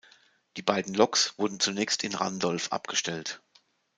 Die beiden Loks wurden zunächst in Randolph abgestellt.